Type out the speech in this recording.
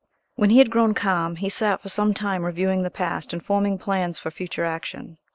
When he had grown calm he sat for some time reviewing the past and forming plans for future action.